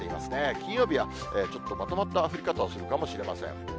金曜日はちょっとまとまった降り方をするかもしれません。